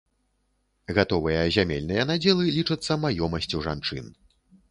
Гатовыя зямельныя надзелы лічацца маёмасцю жанчын.